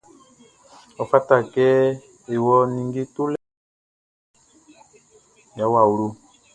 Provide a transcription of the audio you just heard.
Ɔ fata kɛ e wɔ ninnge tolɛ ka naan yʼa wɔ awlo.